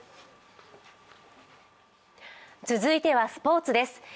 続いてはスポーツです。